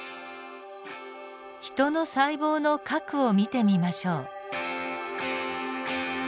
ヒトの細胞の核を見てみましょう。